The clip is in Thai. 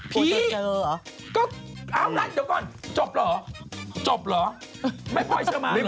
พี่เอ้าล่ะเดี๋ยวก่อนจบเหรอจบเหรอไม่พอยเชื่อมันเหรอ